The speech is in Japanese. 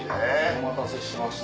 お待たせしました。